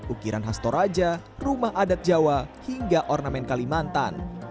ukiran hastoraja rumah adat jawa hingga ornamen kalimantan